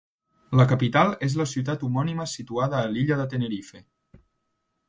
La capital és la ciutat homònima situada a l'illa de Tenerife.